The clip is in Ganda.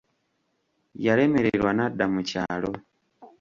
Yalemererwa n'adda mu kyalo.